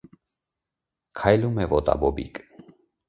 Քայլում է ոտաբոբիկ։